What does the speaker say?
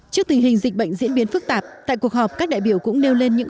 trước tình hình dịch bệnh diễn biến phức tạp tại cuộc họp các đại biểu cũng nêu lên những